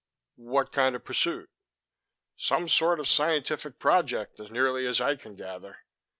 "What kind of pursuit?" "Some sort of scientific project, as nearly as I can gather.